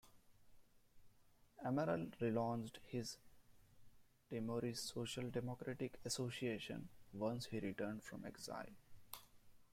Amaral relaunched his Timorese Social Democratic Association once he returned from exile.